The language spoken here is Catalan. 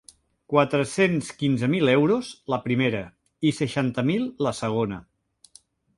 Quatre-cents quinze mil euros, la primera, i seixanta mil, la segona.